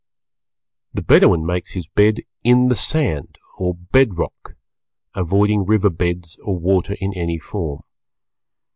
The Bedouin makes his bed in the sand, or bed rock, avoiding river beds or water in any form.